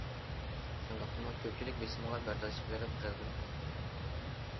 شۇنداقتىمۇ كۆپچىلىك بېسىمغا بەرداشلىق بېرىپ، غەلىبىنى قولغا كەلتۈردى.